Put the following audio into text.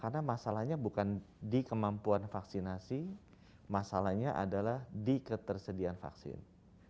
karena masalahnya bukan di kemampuan vaksinasi masalahnya adalah di ketersediaan vaksin